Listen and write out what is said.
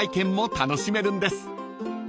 楽しめるんです］